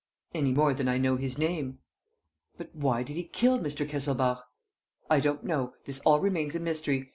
"Any more than I know his name." "But why did he kill Mr. Kesselbach?" "I don't know. This all remains a mystery.